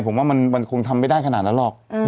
ผมว่ามันคงทำไม่ได้ขนาดนั้นหรอก